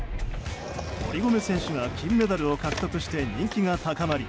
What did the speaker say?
堀米選手が金メダルを獲得して人気が高まり